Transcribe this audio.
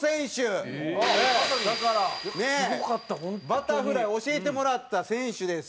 バタフライ教えてもらった選手です。